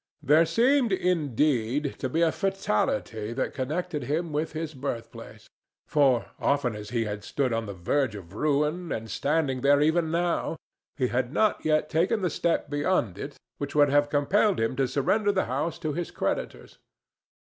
There seemed, indeed, to be a fatality that connected him with his birthplace; for, often as he had stood on the verge of ruin, and standing there even now, he had not yet taken the step beyond it which would have compelled him to surrender the house to his creditors.